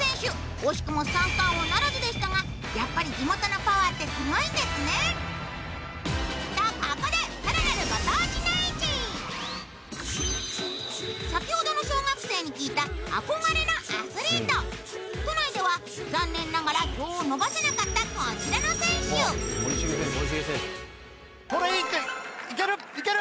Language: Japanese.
惜しくも三冠王ならずでしたがやっぱり地元のパワーってすごいんですね！とここで先ほどの小学生に聞いた憧れのアスリート都内では残念ながら票を伸ばせなかったこちらの選手いける！